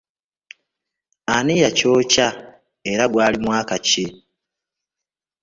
Ani yakyokya era gwali mwaka ki?